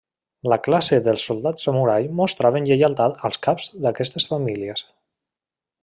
La classe dels soldats samurai mostraven lleialtat als caps d'aquestes famílies.